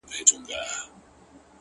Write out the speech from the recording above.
نن شپه له رويا سره خبرې وکړه-